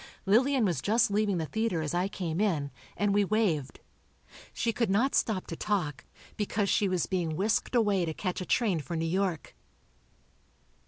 Lillian was just leaving the theatre as I came in, and we waved. She could not stop to talk, because she was being whisked away to catch a train for New York.